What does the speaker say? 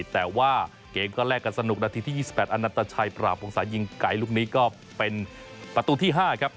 แต่ว่าเกมก็แลกกันสนุกนาทีที่๒๘อันนันตชัยปราบวงศายิงไก่ลูกนี้ก็เป็นประตูที่๕ครับ